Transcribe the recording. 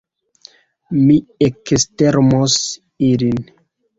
Mi ekstermos ilin!